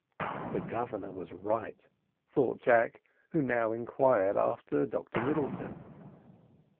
"The Governor was right," thought Jack, who now inquired after Dr Middleton.